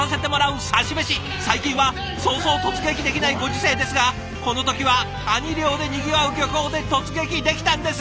最近はそうそう突撃できないご時世ですがこの時はカニ漁でにぎわう漁港で突撃できたんです。